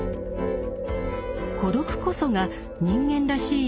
孤独こそが「人間らしい」